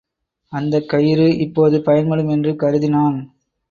அந்தக் கயிறு இப்போது பயன்படும் என்று கருதினான்.